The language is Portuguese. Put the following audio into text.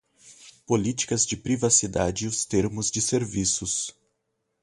Políticas de privacidade e os termos de serviços